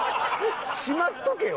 しまっとけよ。